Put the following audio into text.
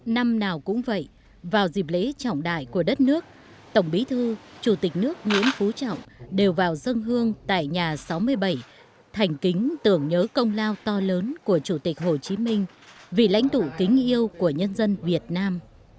năm nào cũng vậy vào dịp lễ trọng đại của đất nước tổng bí thư chủ tịch nước nguyễn phú trọng đều vào dân hương tại nhà sáu mươi bảy thành kính tưởng nhớ công lao to lớn của chủ tịch hồ chí minh vì lãnh tụ kính yêu của nhân dân việt nam